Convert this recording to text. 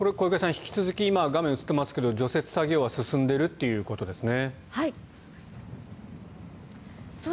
引き続き今、画面映っていますが除雪作業は進んでいるということですね。